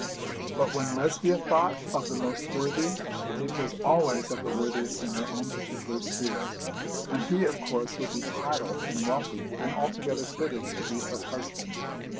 But when Lesbia thought of the most worthy, it was always of the worthiest in her own particular sphere; and he of course would be titled and wealthy, and altogether fitted to be her husband.